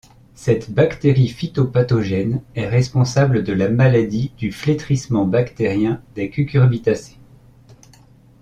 Cette bactérie phytopathogène est responsable de la maladie du flétrissement bactérien des cucurbitacées.